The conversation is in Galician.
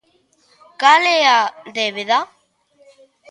Cal é a débeda?